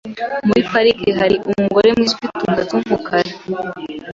Muri parike hari umugore mwiza ufite umusatsi wumukara.